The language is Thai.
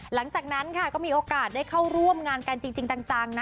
หลังจากนั้นค่ะก็มีโอกาสได้เข้าร่วมงานกันจริงจังนะ